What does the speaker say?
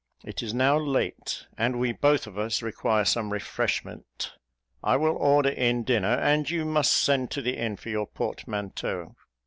It is now late, and we both of us require some refreshment. I will order in dinner, and you must send to the inn for your portmanteau."